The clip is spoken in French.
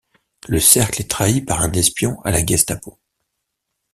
Le cercle est trahi par un espion à la Gestapo.